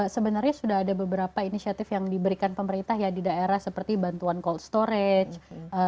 sebenarnya sudah ada beberapa inisiatif yang diberikan pemerintah ya di daerah seperti bantuan cold storage